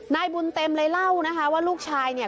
นายบุญเต็มเลยเล่านะคะว่าลูกชายเนี่ย